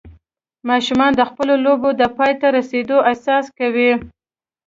ماشومان د خپلو لوبو د پای ته رسېدو احساس کوي.